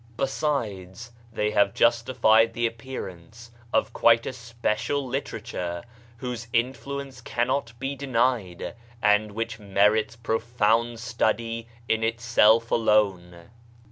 \ 98 BAHAISM the appearance of quite a special literature whose influence cannot be denied, and which merits profound study in itself alone.